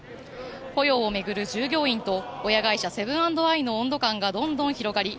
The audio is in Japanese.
雇用を巡る従業員と親会社セブン＆アイの温度感がどんどん広がり